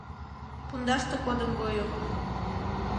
— Пундаште кодын гойо.